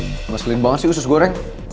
udah selin banget sih usus goreng